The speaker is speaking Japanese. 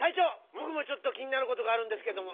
ぼくもちょっと気になることがあるんですけども。